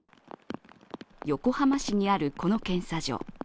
横浜市にあるこの検査所。